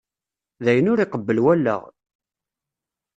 D ayen ur iqebbel wallaɣ!